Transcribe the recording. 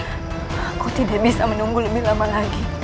aku tidak bisa menunggu lebih lama lagi